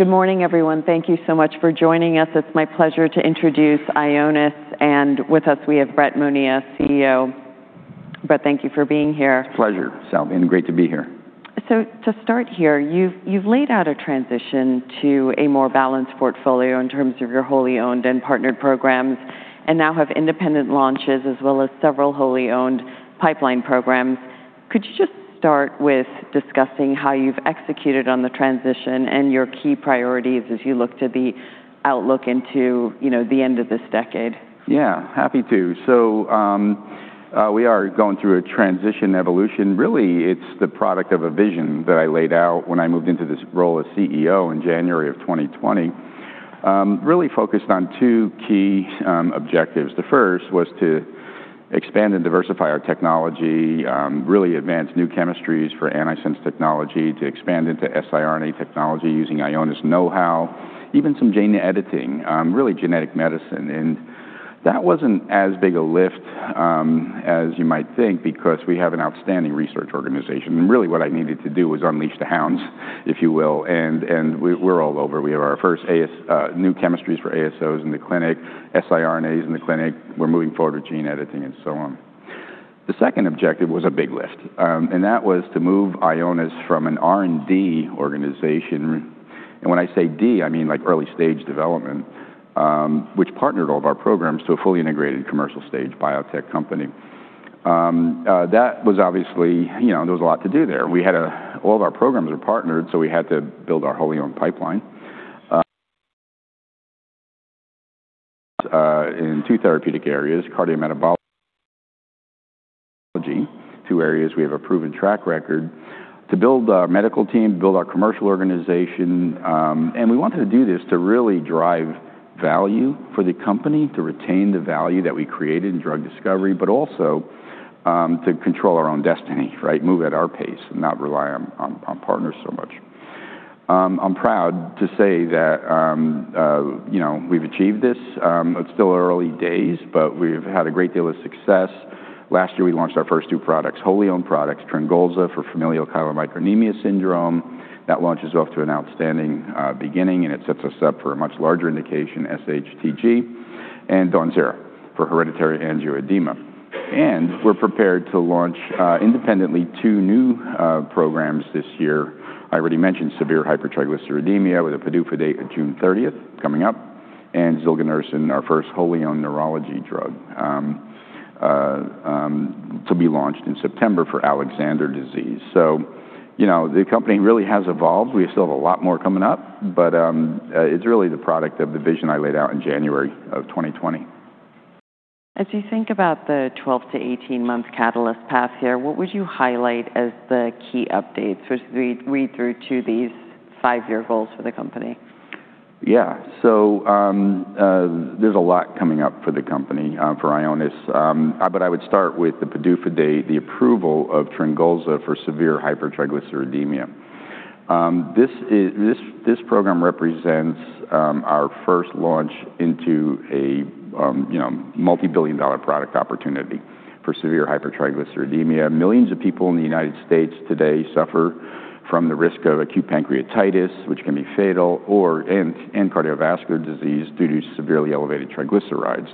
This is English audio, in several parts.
Good morning, everyone. Thank you so much for joining us. It's my pleasure to introduce Ionis, and with us we have Brett Monia, CEO. Brett, thank you for being here. Pleasure, Salveen. Great to be here. To start here, you've laid out a transition to a more balanced portfolio in terms of your wholly owned and partnered programs, and now have independent launches, as well as several wholly owned pipeline programs. Could you just start with discussing how you've executed on the transition and your key priorities as you look to the outlook into the end of this decade? Happy to. We are going through a transition evolution. Really, it's the product of a vision that I laid out when I moved into this role as CEO in January of 2020. Really focused on two key objectives. The first was to expand and diversify our technology, really advance new chemistries for antisense technology, to expand into siRNA technology using Ionis knowhow, even some gene editing, really genetic medicine. That wasn't as big a lift as you might think, because we have an outstanding research organization. Really what I needed to do was unleash the hounds, if you will, and we're all over. We have our first new chemistries for ASOs in the clinic, siRNAs in the clinic. We're moving forward with gene editing and so on. The second objective was a big lift. That was to move Ionis from an R&D organization, and when I say D, I mean early-stage development, which partnered all of our programs to a fully integrated commercial-stage biotech company. That was obviously, there was a lot to do there. All of our programs were partnered, we had to build our wholly owned pipeline in two therapeutic areas, cardiometabolic, two areas we have a proven track record, to build our medical team, build our commercial organization. We wanted to do this to really drive value for the company, to retain the value that we created in drug discovery, but also to control our own destiny, right? Move at our pace and not rely on partners so much. I'm proud to say that we've achieved this. It's still early days, but we've had a great deal of success. Last year, we launched our first two products, wholly owned products, TRYNGOLZA for familial chylomicronemia syndrome. That launch is off to an outstanding beginning, and it sets us up for a much larger indication, sHTG, and DAWNZERA for hereditary angioedema. We're prepared to launch independently two new programs this year. I already mentioned severe hypertriglyceridemia with a PDUFA date of June 30th coming up, and zilganersen, our first wholly owned neurology drug, to be launched in September for Alexander disease. The company really has evolved. We still have a lot more coming up, but it's really the product of the vision I laid out in January of 2020. As you think about the 12 to 18-month catalyst path here, what would you highlight as the key updates which we read through to these five-year goals for the company? Yeah. There's a lot coming up for the company, for Ionis, but I would start with the PDUFA date, the approval of TRYNGOLZA for severe hypertriglyceridemia. This program represents our first launch into a multibillion-dollar product opportunity for severe hypertriglyceridemia. Millions of people in the United States today suffer from the risk of acute pancreatitis, which can be fatal, and cardiovascular disease due to severely elevated triglycerides.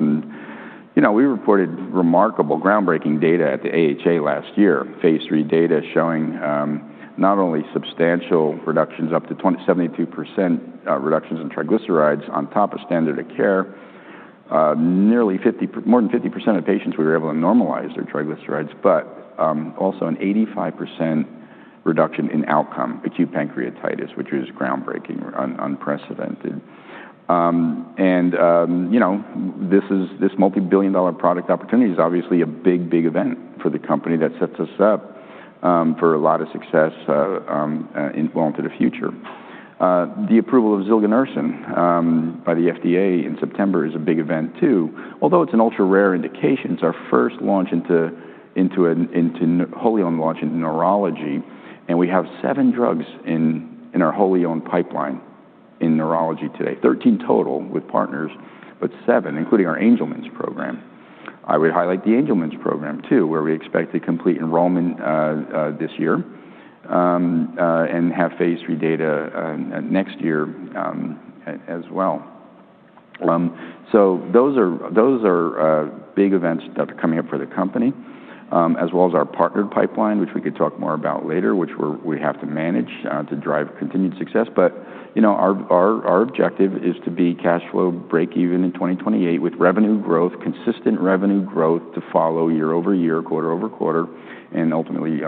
We reported remarkable groundbreaking data at the AHA last year. Phase III data showing not only substantial reductions, up to 72% reductions in triglycerides on top of standard of care. More than 50% of patients we were able to normalize their triglycerides, but also an 85% reduction in outcome acute pancreatitis, which is groundbreaking, unprecedented. This multibillion-dollar product opportunity is obviously a big event for the company that sets us up for a lot of success well into the future. The approval of zilganersen by the FDA in September is a big event, too. Although it's an ultra-rare indication, it's our first wholly owned launch into neurology, and we have seven drugs in our wholly owned pipeline in neurology today. 13 total with partners, but seven, including our Angelman's program. I would highlight the Angelman's program, too, where we expect to complete enrollment this year, and have phase III data next year as well. Those are big events that are coming up for the company, as well as our partnered pipeline, which we could talk more about later, which we have to manage to drive continued success. Our objective is to be cash flow breakeven in 2028 with revenue growth, consistent revenue growth to follow year-over-year, quarter-over-quarter, and ultimately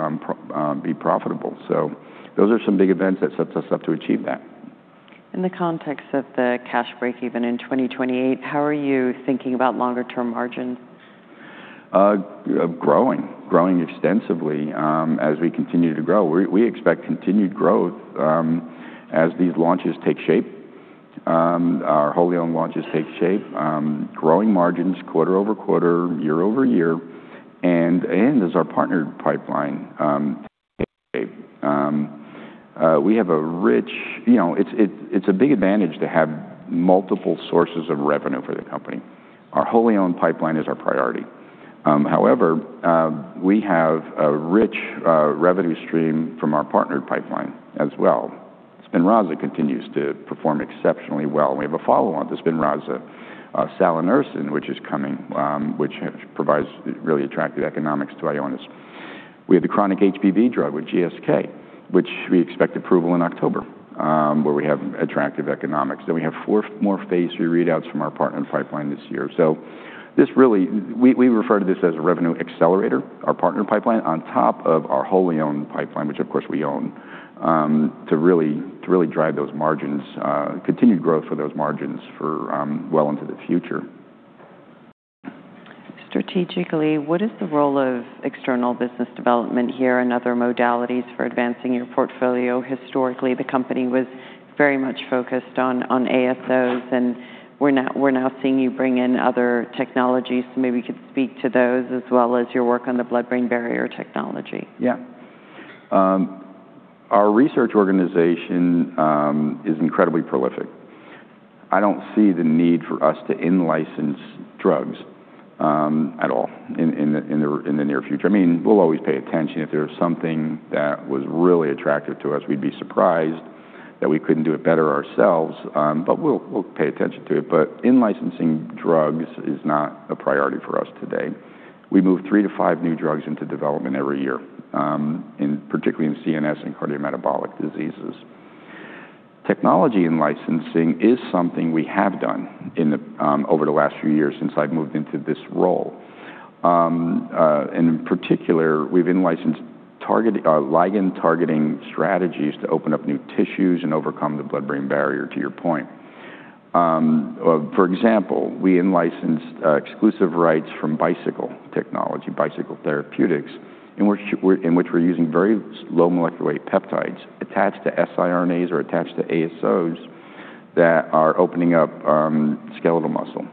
be profitable. Those are some big events that sets us up to achieve that. In the context of the cash breakeven in 2028, how are you thinking about longer-term margins? Growing. Growing extensively as we continue to grow. We expect continued growth as these launches take shape. Our wholly owned launches take shape, growing margins quarter-over-quarter, year-over-year, and as our partnered pipeline takes shape. It's a big advantage to have multiple sources of revenue for the company. Our wholly owned pipeline is our priority. However, we have a rich revenue stream from our partnered pipeline as well. SPINRAZA continues to perform exceptionally well. We have a follow-on to SPINRAZA, salanersen, which is coming, which provides really attractive economics to Ionis. We have the chronic HBV drug with GSK, which we expect approval in October, where we have attractive economics. We have four more phase III readouts from our partnered pipeline this year. We refer to this as a revenue accelerator, our partnered pipeline, on top of our wholly-owned pipeline, which of course we own, to really drive those continued growth for those margins for well into the future. Strategically, what is the role of external business development here and other modalities for advancing your portfolio? Historically, the company was very much focused on ASOs, and we are now seeing you bring in other technologies. Maybe you could speak to those as well as your work on the blood-brain barrier technology. Yeah. Our research organization is incredibly prolific. I don't see the need for us to in-license drugs at all in the near future. We will always pay attention. If there is something that was really attractive to us, we would be surprised that we couldn't do it better ourselves, but we will pay attention to it. In-licensing drugs is not a priority for us today. We move three to five new drugs into development every year, particularly in CNS and cardiometabolic diseases. Technology in-licensing is something we have done over the last few years since I've moved into this role. In particular, we have in-licensed ligand targeting strategies to open up new tissues and overcome the blood-brain barrier, to your point. For example, we in-licensed exclusive rights from Bicycle Therapeutics, in which we are using very low molecular weight peptides attached to siRNAs or attached to ASOs that are opening up skeletal muscle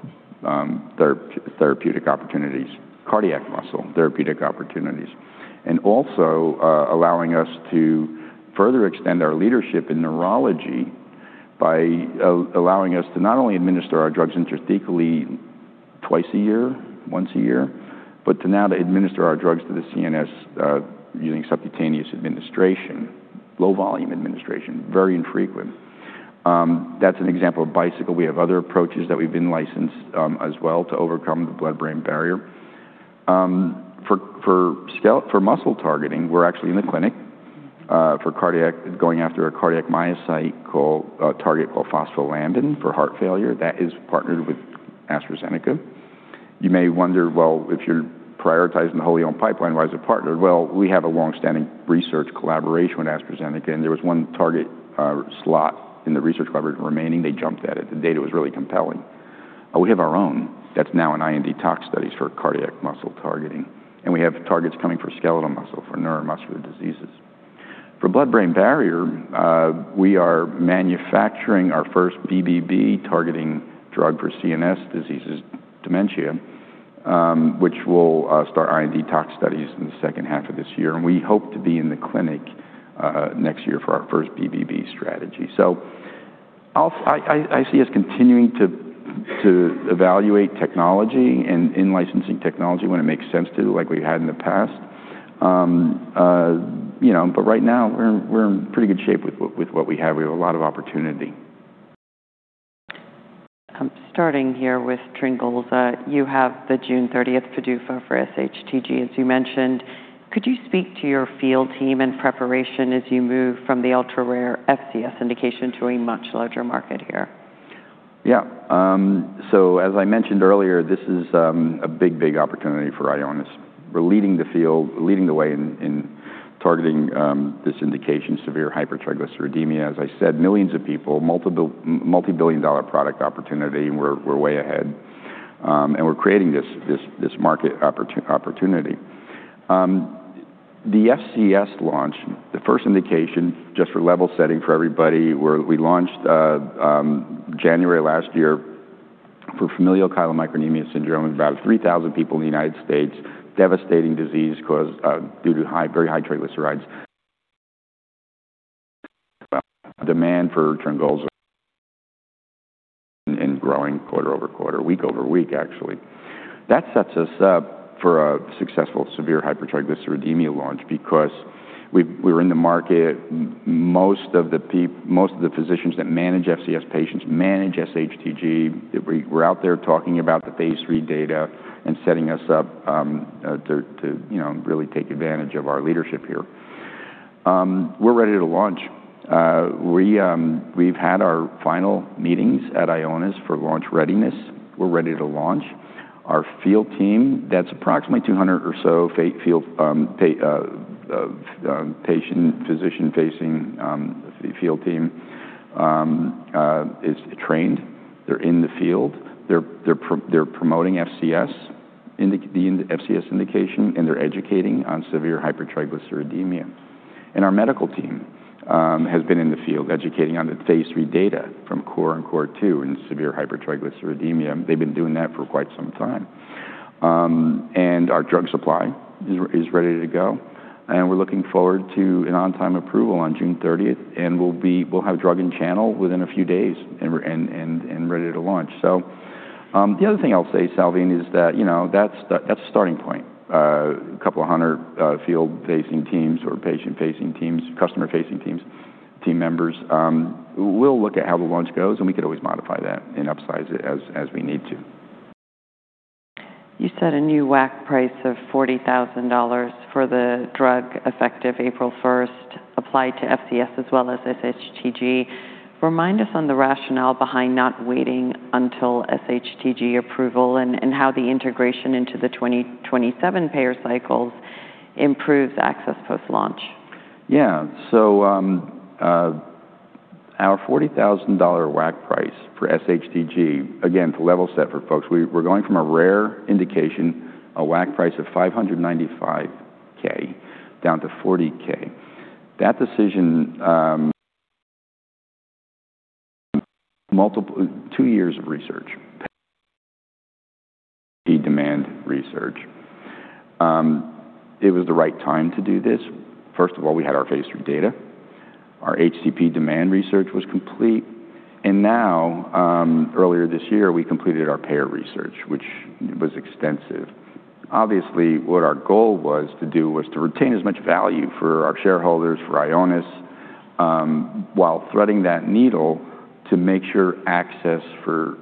therapeutic opportunities, cardiac muscle therapeutic opportunities, and also allowing us to further extend our leadership in neurology by allowing us to not only administer our drugs intrathecally twice a year, once a year, but to now to administer our drugs to the CNS using subcutaneous administration, low volume administration, very infrequent. That is an example of Bicycle. We have other approaches that we have been licensed as well to overcome the blood-brain barrier. For muscle targeting, we are actually in the clinic for cardiac, going after a cardiac myocyte target called phospholamban for heart failure. That is partnered with AstraZeneca. You may wonder, well, if you are prioritizing the wholly-owned pipeline, why is it partnered? Well, we have a long-standing research collaboration with AstraZeneca, and there was one target slot in the research coverage remaining. They jumped at it. The data was really compelling. We have our own that is now in IND tox studies for cardiac muscle targeting, and we have targets coming for skeletal muscle for neuromuscular diseases. For blood-brain barrier, we are manufacturing our first BBB-targeting drug for CNS diseases, dementia, which will start IND tox studies in the second half of this year, and we hope to be in the clinic next year for our first BBB strategy. I see us continuing to evaluate technology and in-licensing technology when it makes sense to, like we had in the past. Right now, we are in pretty good shape with what we have. We have a lot of opportunity. Starting here with TRYNGOLZA. You have the June 30th PDUFA for sHTG, as you mentioned. Could you speak to your field team and preparation as you move from the ultra-rare FCS indication to a much larger market here? Yeah. As I mentioned earlier, this is a big opportunity for Ionis. We're leading the way in targeting this indication, severe hypertriglyceridemia. As I said, millions of people, multi-billion dollar product opportunity, and we're way ahead. And we're creating this market opportunity. The FCS launch, the first indication, just for level setting for everybody, we launched January last year for familial chylomicronemia syndrome, about 3,000 people in the United States, devastating disease due to very high triglycerides. Demand for TRYNGOLZA and growingquarter-over-quarter, week-over-week, actually. That sets us up for a successful severe hypertriglyceridemia launch because we're in the market. Most of the physicians that manage FCS patients manage sHTG. We're out there talking about the phase III data and setting us up to really take advantage of our leadership here. We're ready to launch. We've had our final meetings at Ionis for launch readiness. We're ready to launch. Our field team, that's approximately 200 or so physician-facing field team, is trained. They're in the field. They're promoting the FCS indication, and they're educating on severe hypertriglyceridemia. And our medical team has been in the field educating on the phase III data from CORE and CORE2 in severe hypertriglyceridemia. They've been doing that for quite some time. And our drug supply is ready to go, and we're looking forward to an on-time approval on June 30th, and we'll have drug in channel within a few days and ready to launch. The other thing I'll say, Salveen, is that's the starting point. A couple of hundred field-facing teams or patient-facing teams, customer-facing teams, team members. We'll look at how the launch goes, and we could always modify that and upsize it as we need to. You said a new WAC price of $40,000 for the drug effective April 1st applied to FCS as well as sHTG. Remind us on the rationale behind not waiting until sHTG approval and how the integration into the 2027 payer cycles improves access post-launch. Yeah. Our $40,000 WAC price for sHTG, again, to level set for folks, we're going from a rare indication, a WAC price of $595,000 down to $40,000. That decision, two years of research, demand research. It was the right time to do this. First of all, we had our phase III data. Our HCP demand research was complete. Now, earlier this year, we completed our payer research, which was extensive. Obviously, what our goal was to do was to retain as much value for our shareholders, for Ionis, while threading that needle to make sure access for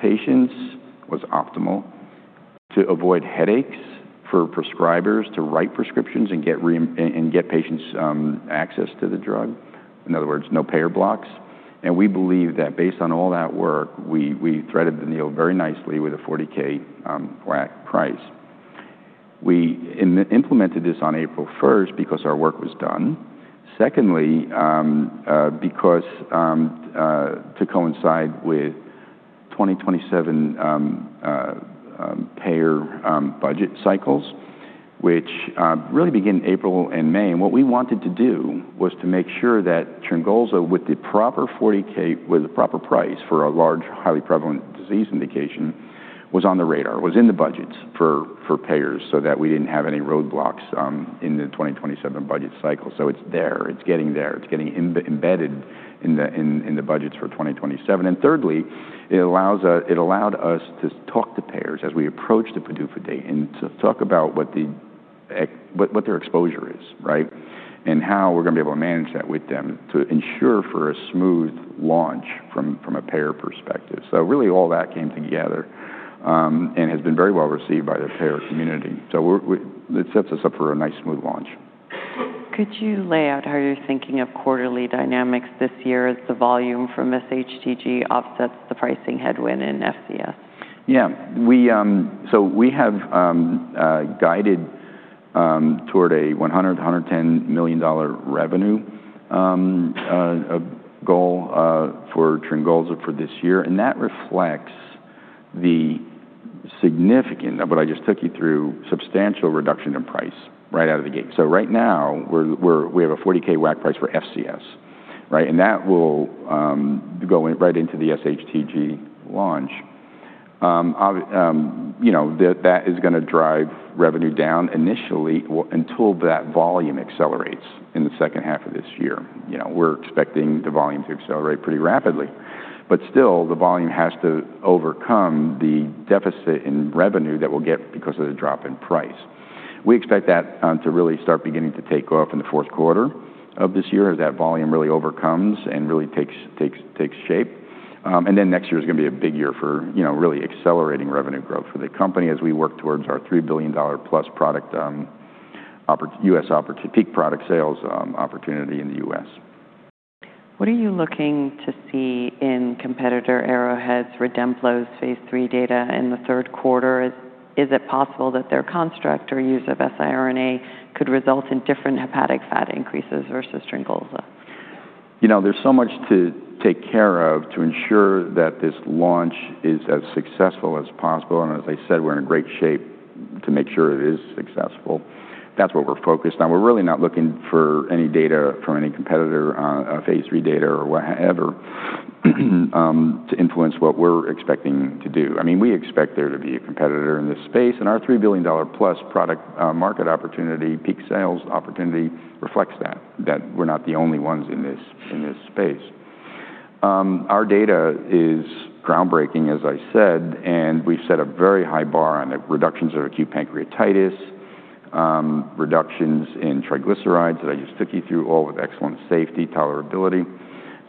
patients was optimal, to avoid headaches for prescribers to write prescriptions and get patients access to the drug. In other words, no payer blocks. We believe that based on all that work, we threaded the needle very nicely with a $40,000 WAC price. We implemented this on April 1st because our work was done. Secondly, to coincide with 2027 payer budget cycles, which really begin April and May. What we wanted to do was to make sure that TRYNGOLZA with the proper $40,000 was the proper price for a large, highly prevalent disease indication, was on the radar, was in the budgets for payers so that we didn't have any roadblocks in the 2027 budget cycle. It's there. It's getting there. It's getting embedded in the budgets for 2027. Thirdly, it allowed us to talk to payers as we approach the PDUFA date and to talk about what their exposure is, right? How we're going to be able to manage that with them to ensure for a smooth launch from a payer perspective. Really all that came together and has been very well received by the payer community. It sets us up for a nice, smooth launch. Could you lay out how you're thinking of quarterly dynamics this year as the volume from sHTG offsets the pricing headwind in FCS? We have guided toward a $100 million-$110 million revenue goal for TRYNGOLZA for this year, that reflects the significant, what I just took you through, substantial reduction in price right out of the gate. Right now, we have a $40,000 WAC price for FCS, right? That will go right into the sHTG launch. That is going to drive revenue down initially until that volume accelerates in the second half of this year. We're expecting the volume to accelerate pretty rapidly, but still, the volume has to overcome the deficit in revenue that we'll get because of the drop in price. We expect that to really start beginning to take off in the fourth quarter of this year as that volume really overcomes and really takes shape. Next year is going to be a big year for really accelerating revenue growth for the company as we work towards our $3+ billion peak product sales opportunity in the U.S. What are you looking to see in competitor Arrowhead's plozasiran phase III data in the third quarter? Is it possible that their construct or use of siRNA could result in different hepatic fat increases versus TRYNGOLZA? There's so much to take care of to ensure that this launch is as successful as possible. As I said, we're in great shape to make sure it is successful. That's what we're focused on. We're really not looking for any data from any competitor, phase III data or whatever, to influence what we're expecting to do. We expect there to be a competitor in this space, our $3+ billion product market opportunity, peak sales opportunity reflects that we're not the only ones in this space. Our data is groundbreaking, as I said, and we've set a very high bar on the reductions of acute pancreatitis, reductions in triglycerides that I just took you through, all with excellent safety tolerability,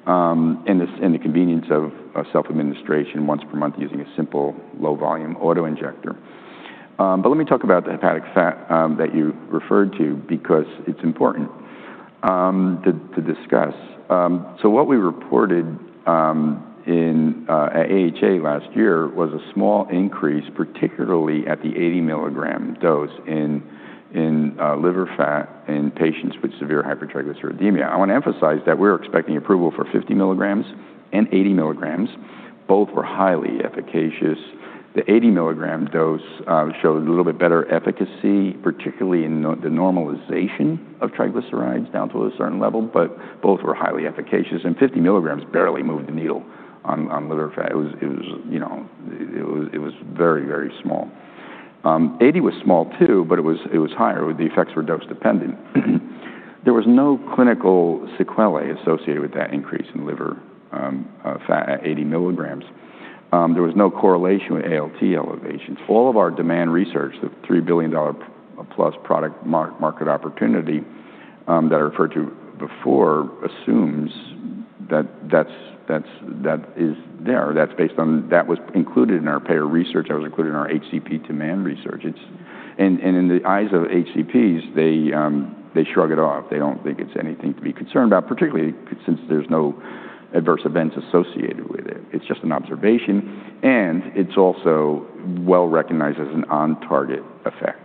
and the convenience of self-administration once per month using a simple low-volume auto-injector. Let me talk about the hepatic fat that you referred to because it is important to discuss. What we reported at AHA last year was a small increase, particularly at the 80 mg dose in liver fat in patients with severe hypertriglyceridemia. I want to emphasize that we are expecting approval for 50 mg and 80 mg. Both were highly efficacious. The 80 mg dose showed a little bit better efficacy, particularly in the normalization of triglycerides down to a certain level, but both were highly efficacious. 50 mg barely moved the needle on liver fat. It was very, very small. 80 mg was small too, but it was higher. The effects were dose-dependent. There was no clinical sequelae associated with that increase in liver fat at 80 mg. There was no correlation with ALT elevations. All of our demand research, the $3+ billion product market opportunity that I referred to before, assumes that is there. That was included in our payer research. That was included in our HCP demand research. In the eyes of HCPs, they shrug it off. They do not think it is anything to be concerned about, particularly since there is no adverse events associated with it. It is just an observation, and it is also well-recognized as an on-target effect.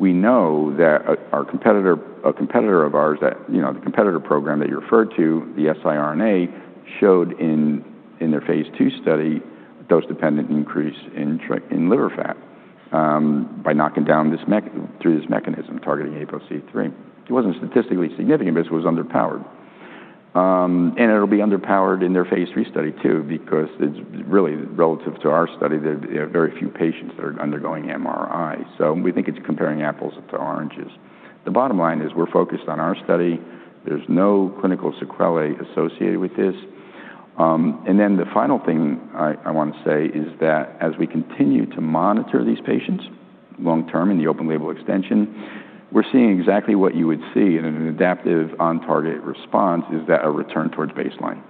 We know that a competitor of ours. The competitor program that you referred to, the siRNA, showed in their phase II study a dose-dependent increase in liver fat through this mechanism targeting APOC3. It was not statistically significant, but it was underpowered. It will be underpowered in their phase III study, too, because really, relative to our study, there are very few patients that are undergoing MRI. We think it is comparing apples to oranges. The bottom line is we are focused on our study. There is no clinical sequelae associated with this. Then the final thing I want to say is that as we continue to monitor these patients long-term in the open-label extension, we are seeing exactly what you would see in an adaptive on-target response, is that a return towards baseline.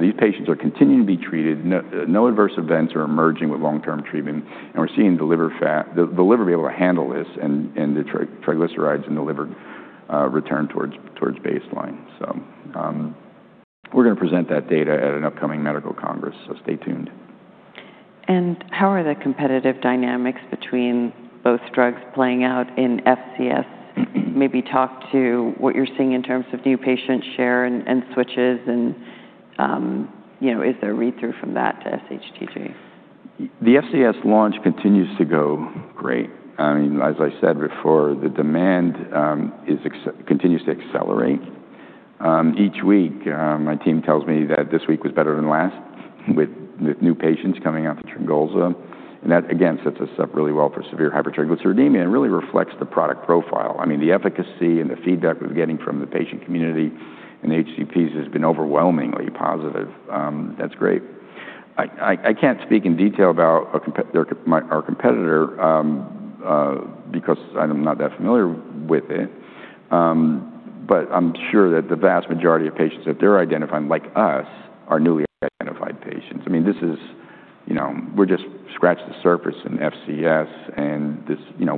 These patients are continuing to be treated. No adverse events are emerging with long-term treatment, and we are seeing the liver be able to handle this, and the triglycerides in the liver return towards baseline. We are going to present that data at an upcoming medical congress, so stay tuned. How are the competitive dynamics between both drugs playing out in FCS? Maybe talk to what you are seeing in terms of new patient share and switches, and is there a read-through from that to sHTG? The FCS launch continues to go great. As I said before, the demand continues to accelerate. Each week, my team tells me that this week was better than last, with new patients coming onto TRYNGOLZA. That, again, sets us up really well for severe hypertriglyceridemia and really reflects the product profile. The efficacy and the feedback we are getting from the patient community and the HCPs has been overwhelmingly positive. That is great. I cannot speak in detail about our competitor because I am not that familiar with it, but I am sure that the vast majority of patients that they are identifying, like us, are newly identified patients. We are just scratching the surface in FCS, and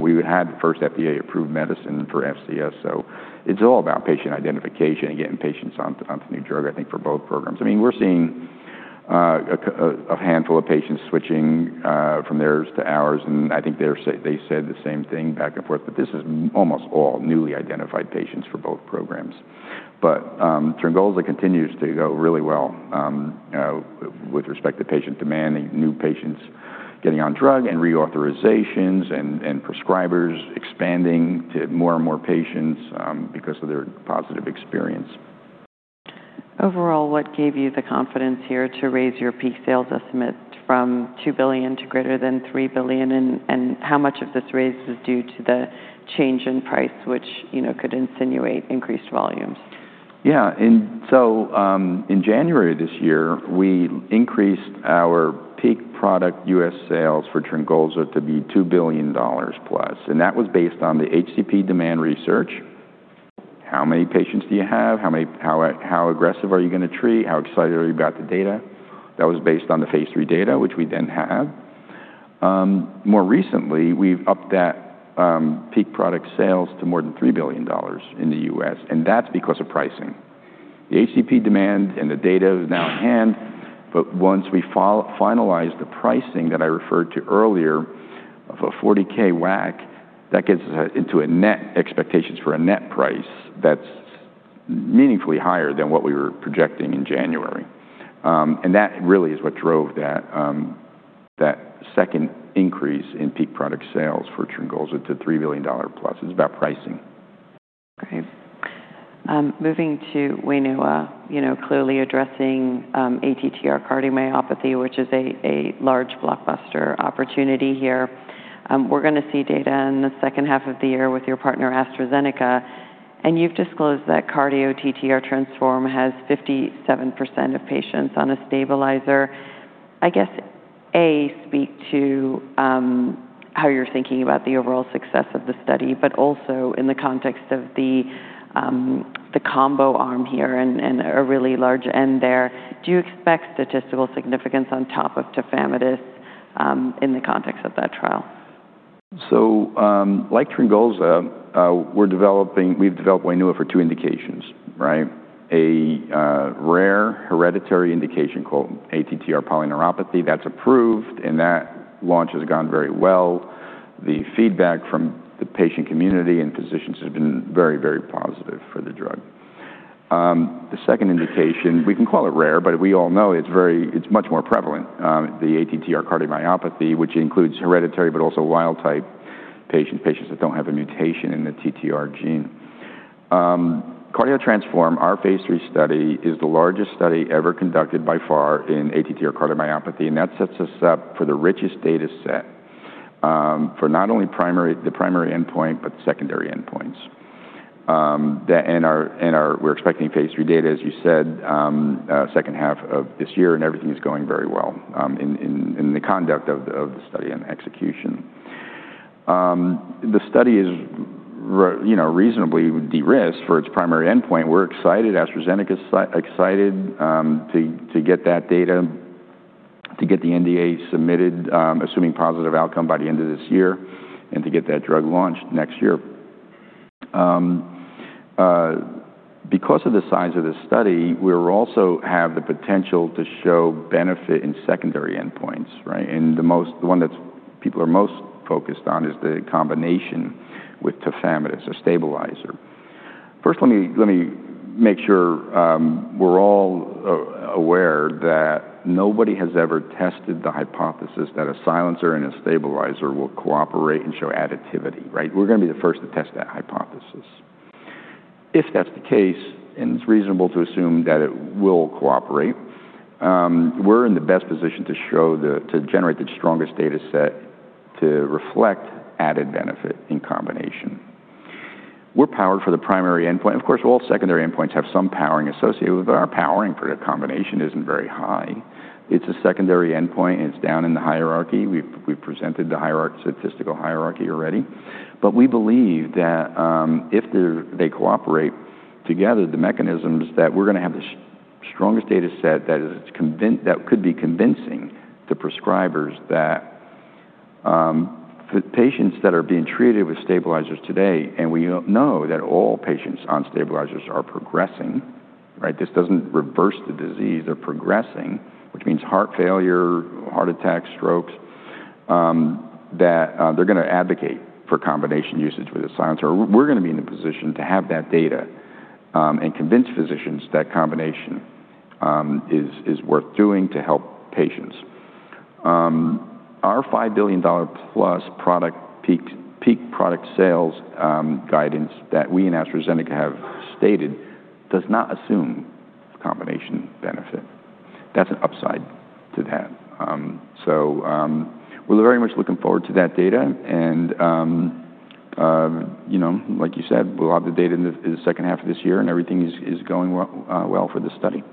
we had the first FDA-approved medicine for FCS. It is all about patient identification and getting patients onto the new drug, I think, for both programs. We are seeing a handful of patients switching from theirs to ours. I think they said the same thing back and forth, this is almost all newly identified patients for both programs. TRYNGOLZA continues to go really well with respect to patient demand and new patients getting on drug and reauthorizations and prescribers expanding to more and more patients because of their positive experience. Overall, what gave you the confidence here to raise your peak sales estimate from $2 billion to greater than $3 billion? And how much of this raise was due to the change in price, which could insinuate increased volumes? In January of this year, we increased our peak product U.S. sales for TRYNGOLZA to be $2+ billion. That was based on the HCP demand research. How many patients do you have? How aggressive are you going to treat? How excited are you about the data? That was based on the phase III data, which we then have. More recently, we have upped that peak product sales to more than $3 billion in the U.S. That is because of pricing. The HCP demand and the data is now in hand. Once we finalize the pricing that I referred to earlier of a $40,000 WAC, that gets us into expectations for a net price that is meaningfully higher than what we were projecting in January. That really is what drove that second increase in peak product sales for TRYNGOLZA to $3+ billion. It is about pricing. Moving to WAINUA. Clearly addressing ATTR cardiomyopathy, which is a large blockbuster opportunity here. We're going to see data in the second half of the year with your partner, AstraZeneca, and you've disclosed that CARDIO-TTRansform has 57% of patients on a stabilizer. I guess, A, speak to how you're thinking about the overall success of the study, but also in the context of the combo arm here and a really large N there. Do you expect statistical significance on top of tafamidis in the context of that trial? Like TRYNGOLZA, we've developed WAINUA for two indications. A rare hereditary indication called ATTR polyneuropathy that's approved, and that launch has gone very well. The feedback from the patient community and physicians has been very, very positive for the drug. The second indication, we can call it rare, but we all know it's much more prevalent, the ATTR cardiomyopathy, which includes hereditary but also wild type patients that don't have a mutation in the TTR gene. CARDIO-TTRansform, our phase III study, is the largest study ever conducted by far in ATTR cardiomyopathy, and that sets us up for the richest data set for not only the primary endpoint, but secondary endpoints. We're expecting phase III data, as you said, second half of this year, and everything is going very well in the conduct of the study and execution. The study is reasonably de-risked for its primary endpoint. We're excited, AstraZeneca's excited to get that data, to get the NDA submitted, assuming positive outcome by the end of this year, and to get that drug launched next year. Because of the size of this study, we also have the potential to show benefit in secondary endpoints, right? The one that people are most focused on is the combination with tafamidis, a stabilizer. First, let me make sure we're all aware that nobody has ever tested the hypothesis that a silencer and a stabilizer will cooperate and show additivity, right? We're going to be the first to test that hypothesis. If that's the case, and it's reasonable to assume that it will cooperate, we're in the best position to generate the strongest data set to reflect added benefit in combination. We're powered for the primary endpoint. Of course, all secondary endpoints have some powering associated with it, but our powering for the combination isn't very high. It's a secondary endpoint, and it's down in the hierarchy. We've presented the statistical hierarchy already. We believe that if they cooperate together, the mechanisms, that we're going to have the strongest data set that could be convincing to prescribers that for patients that are being treated with stabilizers today, and we know that all patients on stabilizers are progressing, right? This doesn't reverse the disease. They're progressing, which means heart failure, heart attacks, strokes, that they're going to advocate for combination usage with a silencer. We're going to be in a position to have that data and convince physicians that combination is worth doing to help patients. Our $5+ billion peak product sales guidance that we and AstraZeneca have stated does not assume combination benefit. That's an upside to that. We're very much looking forward to that data and like you said, we'll have the data in the second half of this year and everything is going well for the study.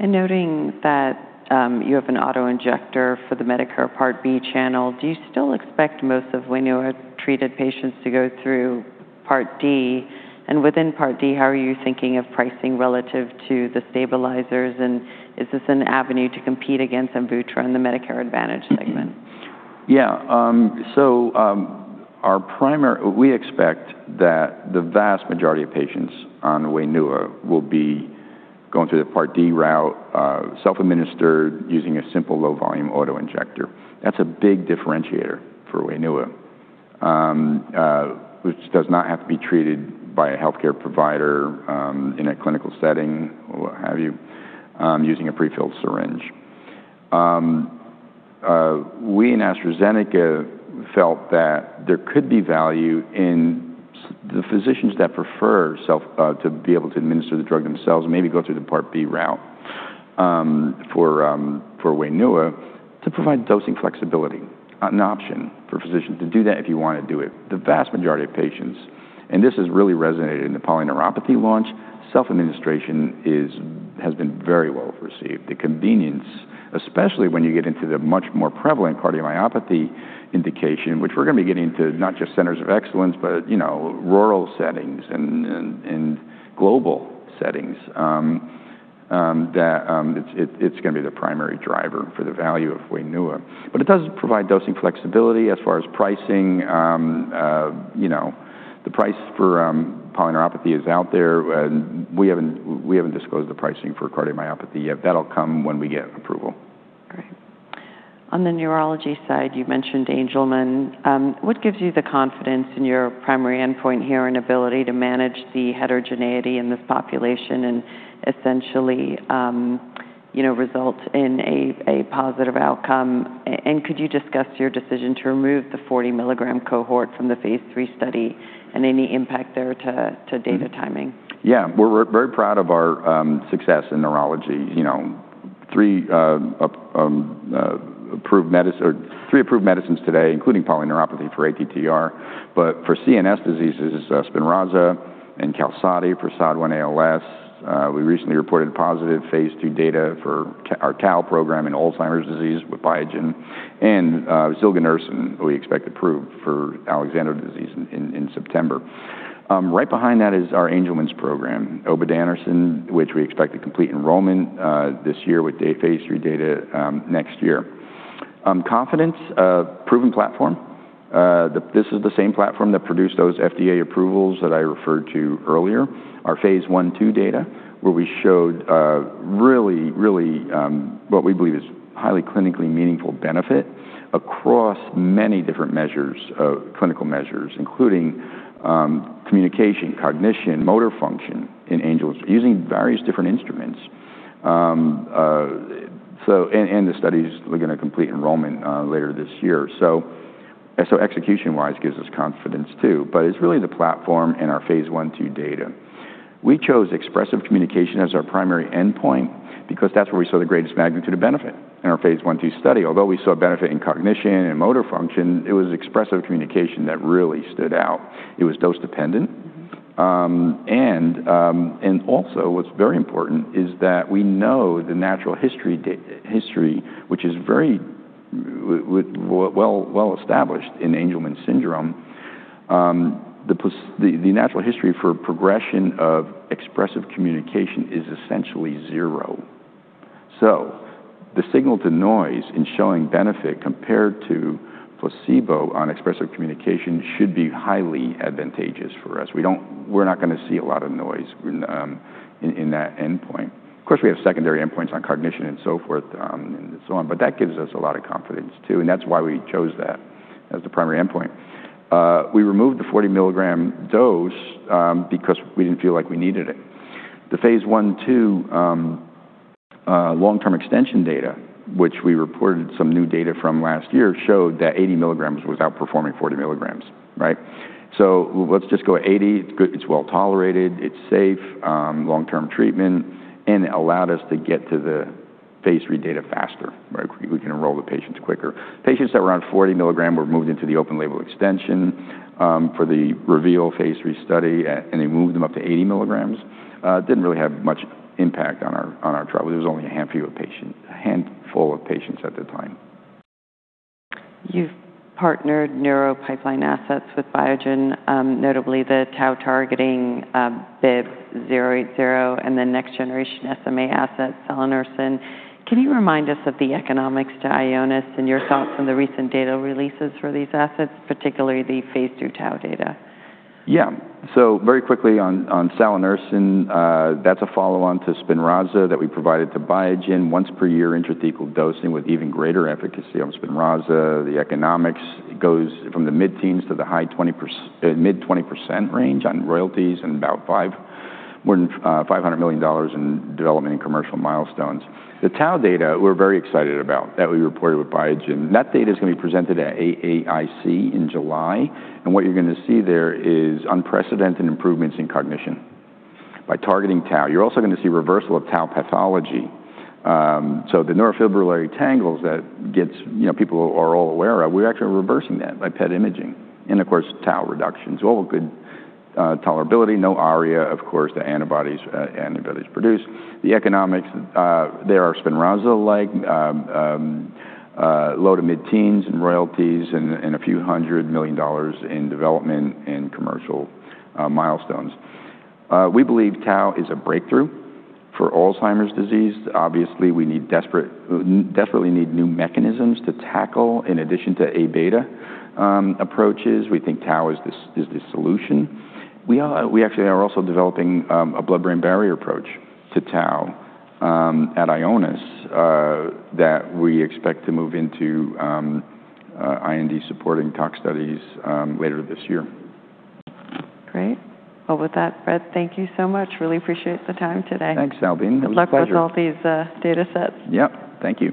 Noting that you have an auto-injector for the Medicare Part B channel, do you still expect most of WAINUA-treated patients to go through Part D? Within Part D, how are you thinking of pricing relative to the stabilizers? And is this an avenue to compete against vutrisiran, the Medicare Advantage segment? We expect that the vast majority of patients on WAINUA will be going through the Part D route, self-administered using a simple low-volume auto-injector. That's a big differentiator for WAINUA, which does not have to be treated by a healthcare provider in a clinical setting, what have you, using a pre-filled syringe. We and AstraZeneca felt that there could be value in the physicians that prefer to be able to administer the drug themselves, maybe go through the Part B route for WAINUA to provide dosing flexibility, an option for physicians to do that if you want to do it. The vast majority of patients, and this has really resonated in the polyneuropathy launch, self-administration has been very well received. The convenience, especially when you get into the much more prevalent cardiomyopathy indication, which we're going to be getting into not just centers of excellence, but rural settings and global settings, that it's going to be the primary driver for the value of WAINUA. It does provide dosing flexibility. As far as pricing, the price for polyneuropathy is out there. We haven't disclosed the pricing for cardiomyopathy yet. That'll come when we get approval. Right. On the neurology side, you mentioned Angelman. What gives you the confidence in your primary endpoint here and ability to manage the heterogeneity in this population and essentially result in a positive outcome? Could you discuss your decision to remove the 40 mg cohort from the phase III study and any impact there to data timing? We're very proud of our success in neurology. Three approved medicines today, including polyneuropathy for ATTR, but for CNS diseases, SPINRAZA and QALSODY for SOD1-ALS. We recently reported positive phase II data for our tau program in Alzheimer's disease with Biogen, zilganersen we expect approved for Alexander disease in September. Right behind that is our Angelman's program, obudanersen, which we expect to complete enrollment this year with phase III data next year. Confidence, proven platform. This is the same platform that produced those FDA approvals that I referred to earlier. Our phase I/II data, where we showed really, really what we believe is highly clinically meaningful benefit across many different clinical measures, including communication, cognition, motor function in Angelman syndrome, using various different instruments. The study is looking to complete enrollment later this year. Execution-wise gives us confidence too, but it's really the platform and our phase I/II data. We chose expressive communication as our primary endpoint because that's where we saw the greatest magnitude of benefit in our phase I/II study. Although we saw benefit in cognition and motor function, it was expressive communication that really stood out. It was dose-dependent. Also what's very important is that we know the natural history, which is very well established in Angelman syndrome. The natural history for progression of expressive communication is essentially zero. The signal-to-noise in showing benefit compared to placebo on expressive communication should be highly advantageous for us. We're not going to see a lot of noise in that endpoint. Of course, we have secondary endpoints on cognition and so forth, and so on, but that gives us a lot of confidence too, and that's why we chose that as the primary endpoint. We removed the 40 mg dose because we didn't feel like we needed it. The phase I/II long-term extension data, which we reported some new data from last year, showed that 80 mg was outperforming 40 mg. Let's just go 80 mg. It's well-tolerated, it's safe, long-term treatment, and it allowed us to get to the phase III data faster. We can enroll the patients quicker. Patients that were on 40 mg were moved into the open label extension for the REVEAL phase III study. They moved them up to 80 mg. It didn't really have much impact on our trial. It was only a handful of patients at the time. You've partnered neuro pipeline assets with Biogen, notably the tau targeting BIIB080, and the next generation SMA asset, salanersen. Can you remind us of the economics to Ionis and your thoughts on the recent data releases for these assets, particularly the phase II tau data? Very quickly on salanersen, that's a follow-on to SPINRAZA that we provided to Biogen once per year intrathecal dosing with even greater efficacy on SPINRAZA. The economics goes from the mid-teens to the mid-20% range on royalties and about more than $500 million in development and commercial milestones. The tau data, we're very excited about that we reported with Biogen. That data is going to be presented at AAIC in July, what you're going to see there is unprecedented improvements in cognition by targeting tau. You're also going to see reversal of tau pathology. The neurofibrillary tangles that people are all aware of, we're actually reversing that by PET imaging. Of course, tau reductions. All good tolerability, no ARIA, of course, the antibodies produced. The economics, they are SPINRAZA-like, low to mid-teens in royalties and a few hundred million dollars in development and commercial milestones. We believe tau is a breakthrough for Alzheimer's disease. Obviously, we desperately need new mechanisms to tackle in addition to A-beta approaches. We think tau is the solution. We actually are also developing a blood-brain barrier approach to tau at Ionis that we expect to move into IND supporting tox studies later this year. Great. With that, Brett, thank you so much. Really appreciate the time today. Thanks, Salveen. It was a pleasure. Good luck with all these datasets. Yep. Thank you.